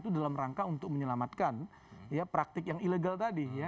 itu dalam rangka untuk menyelamatkan ya praktik yang ilegal tadi ya